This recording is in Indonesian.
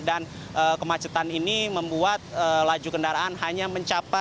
dan kemacetan ini membuat karyawan yang terjadi di jawa tenggara